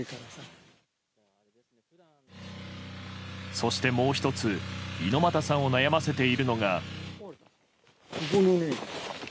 そして、もう１つ猪俣さんを悩ませているのが。